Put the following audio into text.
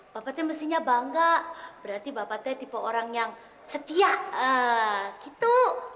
bapak teh mestinya bangga berarti bapak teh tipe orang yang setia gitu